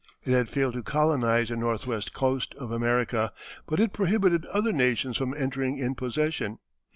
It had failed to colonize the northwest coast of America, but it prohibited other nations from entering in possession.